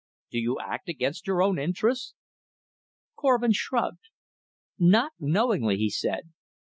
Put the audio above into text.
"Do you act against your own interests?" Korvin shrugged. "Not knowingly," he said.